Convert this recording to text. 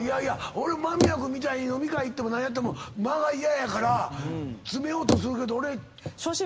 俺も間宮君みたいに飲み会行っても間が嫌やから詰めようとするけど俺。